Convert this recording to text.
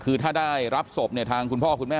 อยู่ดีมาตายแบบเปลือยคาห้องน้ำได้ยังไง